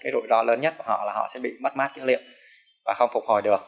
rủi ro lớn nhất của họ là họ sẽ bị mất mát dữ liệu và không phục hồi được